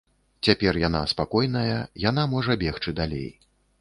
Цяпер яна спакойная, яна можа бегчы далей.